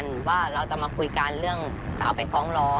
หรือว่าเราจะมาคุยกันเรื่องจะเอาไปฟ้องร้อง